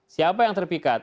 siapa yang terpikat